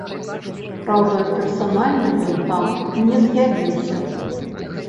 Праўда, персанальна ён там не з'явіўся.